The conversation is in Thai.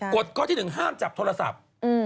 กฎข้อที่๑ห้ามจับโทรศัพท์